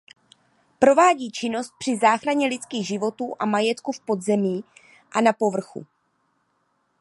Provádí činnost při záchraně lidských životů a majetku v podzemí a na povrchu.